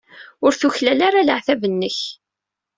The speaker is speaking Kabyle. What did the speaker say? Ur tuklal ara leɛtab-nnek.